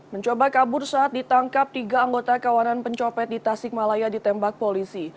mencoba kabur saat ditangkap tiga anggota kawanan pencopet di tasikmalaya ditembak polisi